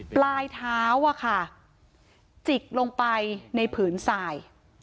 ปลายเท้าอะค่ะจิกลงไปในผืนสาย